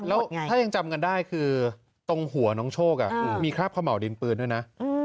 แล้วถ้ายังจำกันได้คือตรงหัวน้องโชคมีคราบขม่าวดินปืนด้วยนะ